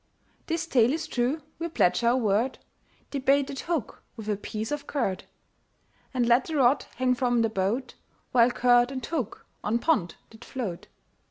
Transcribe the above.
This tale is true we pledge our word, They baited hook with a piece of curd, And let the rod hang from the boat, While curd and hook on pond did float.